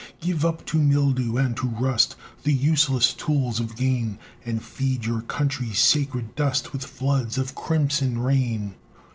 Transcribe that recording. Give up to mildew and to rust The useless tools of gain, And feed your country's sacred dust With floods of crimson rain!